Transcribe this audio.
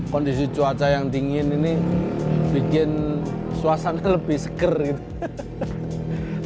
kondisi cuaca yang dingin ini bikin suasana lebih seger gitu